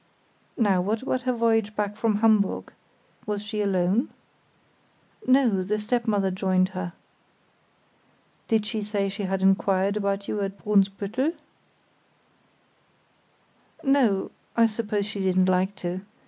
"Now, what about her voyage back from Hamburg? Was she alone?" "No; the stepmother joined her." "Did she say she had inquired about you at Brunsbüttel?" "No; I suppose she didn't like to.